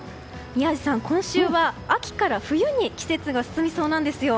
宮司さん、今週は秋から冬に季節が進みそうなんですよ。